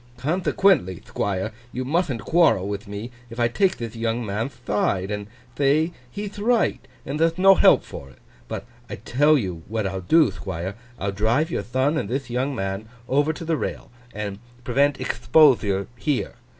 Conthequently, Thquire, you muthn't quarrel with me if I take thith young man'th thide, and thay he'th right and there'th no help for it. But I tell you what I'll do, Thquire; I'll drive your thon and thith young man over to the rail, and prevent expothure here.